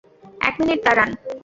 এক মিনিট দাঁড়ান!